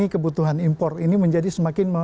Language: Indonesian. kebutuhan impor ini menjadi semakin